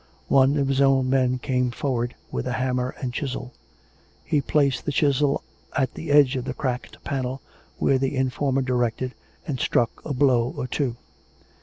One of his own men came forward with a hammer and chisel. He placed the chisel at the edge of the cracked panel, where the informer directed, and struck a blow or two.